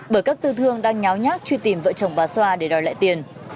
bởi các tư thương đang nháo nhác truy tìm vợ chồng bà xoa để đòi lại tiền